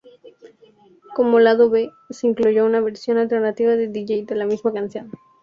Como lado B se incluyó una versión alternativa de Dj de la misma canción.